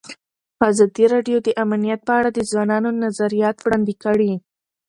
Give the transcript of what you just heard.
ازادي راډیو د امنیت په اړه د ځوانانو نظریات وړاندې کړي.